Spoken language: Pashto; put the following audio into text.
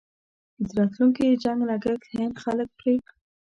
د راتلونکي جنګ لګښت هند خلک پرې کړي.